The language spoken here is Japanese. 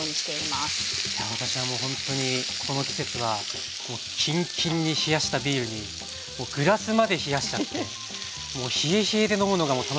いや私はもうほんとにこの季節はキンキンに冷やしたビールにグラスまで冷やしちゃってもう冷え冷えで飲むのが楽しみなんですけど。